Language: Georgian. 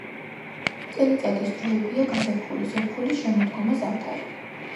წელიწადის დროებია: გაზაფხული ზაფხული შემოდგომა ზამთარი